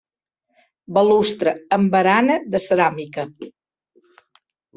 Balustre amb barana de ceràmica.